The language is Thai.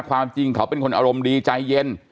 ความจริงเขาเป็นคนอารมณ์ดีใจเย็น